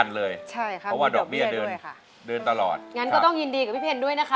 ยินดีด้วยค่ะ